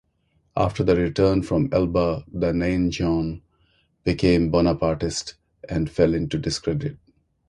After the return from Elba the "Nain jaune" became Bonapartist and fell into discredit.